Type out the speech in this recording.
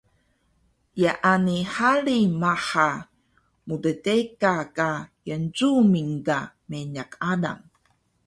Yaani hari maha mddeka ka Yencuming ga meniq alang